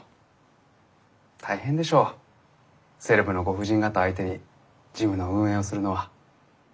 大変でしょうセレブのご婦人方相手にジムの運営をするのは。